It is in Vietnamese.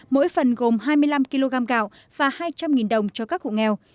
mỗi phần gồm hai mươi năm kg gạo và hai trăm linh đồng cho các hộ nghèo